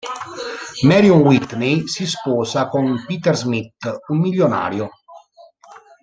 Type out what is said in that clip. Marion Whitney si sposa con Peter Smith, un milionario.